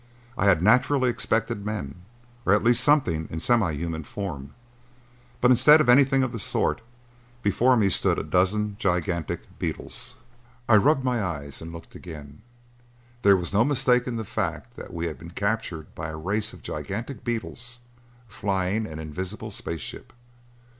I had naturally expected men, or at least something in semi human form, but instead of anything of the sort, before me stood a dozen gigantic beetles! I rubbed my eyes and looked again. There was no mistaking the fact that we had been captured by a race of gigantic beetles flying an invisible space ship.